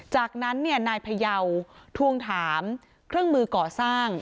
จากนั้นนายพยาวทวงถามเครื่องมือก่อสร้าง